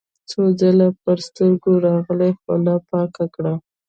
څو ځله يې پر سترګو لاغلې خوله پاکه کړه.